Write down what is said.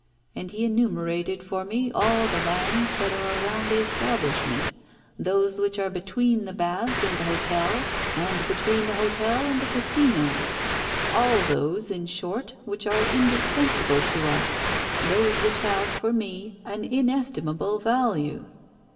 And he enumerated for me all the lands that are around the establishment, those which are between the baths and the hotel and between the hotel and the Casino, all those, in short, which are indispensable to us, those which have for me an inestimable value.